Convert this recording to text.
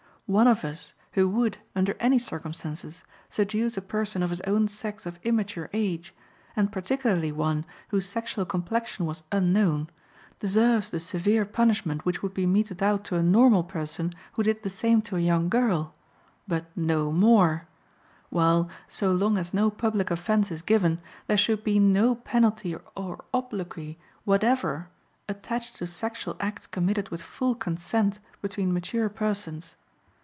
One of us who would, under any circumstances, seduce a person of his own sex of immature age, and particularly one whose sexual complexion was unknown, deserves the severe punishment which would be meted out to a normal person who did the same to a young girl but no more; while, so long as no public offense is given, there should be no penalty or obloquy whatever attached to sexual acts committed with full consent between mature persons.